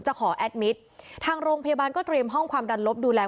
ขอแอดมิตรทางโรงพยาบาลก็เตรียมห้องความดันลบดูแล